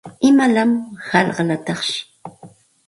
¿Imalaq hayqalataqshi?